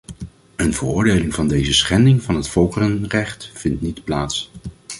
Een veroordeling van deze schending van het volkerenrecht vindt niet plaats.